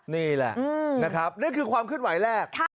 นี่แหละนั่นคือความขึ้นไหวแรก